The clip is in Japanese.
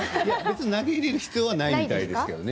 投げ入れる必要はないみたいですけれどもね。